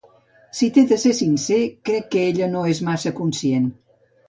Si t'he de ser sincer, crec que ella no és massa conscient.